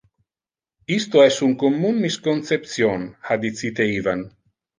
"Isto es un commun misconception", ha dicite Ivan.